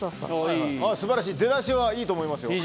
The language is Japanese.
素晴らしい出だしはいいと思いますよ。